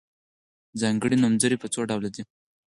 ځانګړي نومځري په څو ډوله دي.